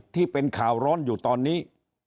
ที่เป็นข่าวร้อนอยู่ตอนนี้